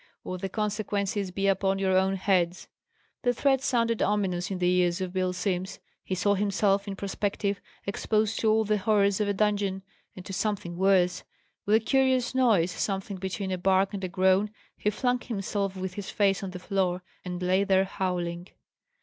or the consequences be upon your own heads." The threat sounded ominous in the ears of Bill Simms: he saw himself, in prospective, exposed to all the horrors of a dungeon, and to something worse. With a curious noise, something between a bark and a groan, he flung himself with his face on the floor, and lay there howling.